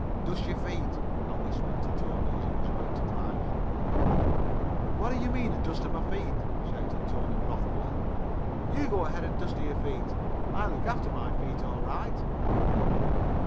"Dust your feet," I whispered to Tony as he was about to climb in. "Whatta you mean, dusta my feet?" shouted Tony wrathfully, "you go head an' dusta your feet! I look out for my feet all right."